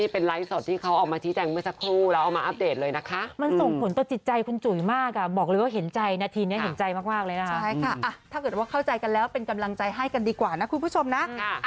เป็นไลฟ์สดที่เขาออกมาชี้แจงเมื่อสักครู่แล้วเอามาอัปเดตเลยนะคะมันส่งผลต่อจิตใจคุณจุ๋ยมากอ่ะบอกเลยว่าเห็นใจนาทีนี้เห็นใจมากเลยนะคะถ้าเกิดว่าเข้าใจกันแล้วเป็นกำลังใจให้กันดีกว่านะคุณผู้ชมนะ